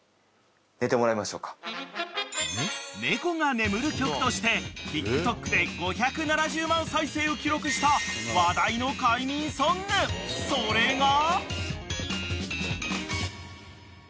［猫が眠る曲としてＴｉｋＴｏｋで５７０万再生を記録した話題の快眠ソングそれが］